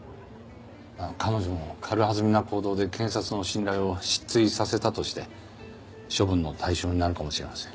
彼女も軽はずみな行動で検察の信頼を失墜させたとして処分の対象になるかもしれません。